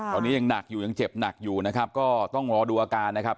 ตอนนี้ยังหนักอยู่ยังเจ็บหนักอยู่นะครับก็ต้องรอดูอาการนะครับ